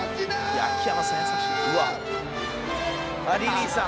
「あっリリーさん」